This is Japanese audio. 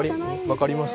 分かります？